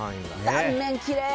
断面きれい！